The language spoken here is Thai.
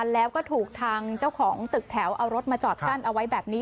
แล้วก็ถูกทางเจ้าของตึกแถวเอารถมาจอดกั้นเอาไว้แบบนี้